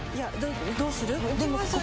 どうする？